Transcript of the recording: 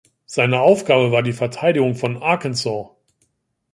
Seine Aufgabe war die Verteidigung von Arkansas.